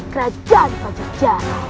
kerajaan pajak jalan